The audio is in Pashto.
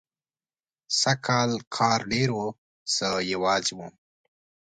سږکال کار ډېر و، زه یوازې وم.